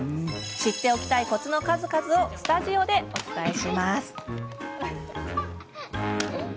知っておきたいコツの数々をスタジオでお伝えします。